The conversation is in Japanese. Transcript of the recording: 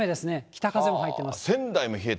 北風も入ってます。